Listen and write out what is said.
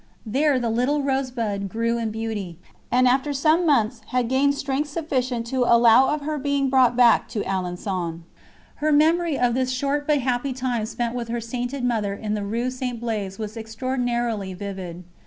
There the "little rose bud" grew in beauty, and after some months had gained strength sufficient to allow of her being brought back to Alençon. Her memory of this short but happy time spent with her sainted Mother in the Rue St. Blaise was extraordinarily vivid.